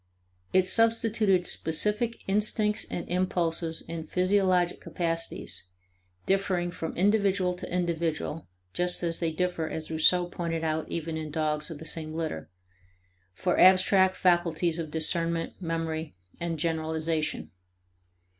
It substituted specific instincts and impulses and physiological capacities, differing from individual to individual (just as they differ, as Rousseau pointed out, even in dogs of the same litter), for abstract faculties of discernment, memory, and generalization.